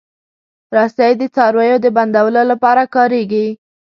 رسۍ د څارویو د بندولو لپاره کارېږي.